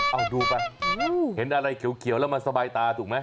เอาดูไปเห็นอะไรเขียวแล้วมันสบายตาถูกไหม